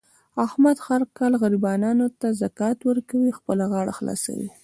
احمد هر کال غریبانو ته زکات ورکوي. خپله غاړه خلاصوي.